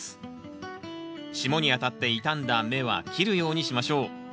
霜に当たって傷んだ芽は切るようにしましょう。